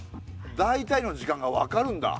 大体の時間が分かるんだ。